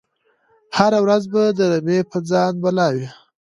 هره ورځ به د رمی په ځان بلا وي